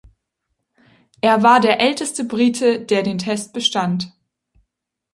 Er war der älteste Brite, der den Test bestand.